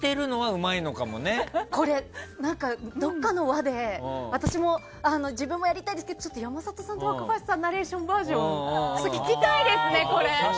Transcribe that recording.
どこかの話で私も自分もやりたいですけど山里さんと若林さんのナレーションバージョン聞きたいですね。